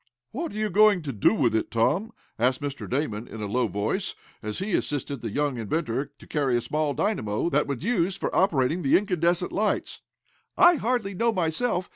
"What are you going to do with it, Tom?" asked Mr. Damon, in a low voice, as he assisted the young inventor to carry a small dynamo, that was used for operating the incandescent lights. "I hardly know myself.